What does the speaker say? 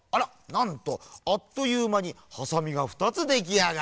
なんとあっというまにハサミが２つできあがり。